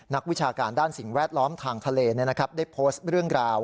วิชาการด้านสิ่งแวดล้อมทางทะเลได้โพสต์เรื่องราว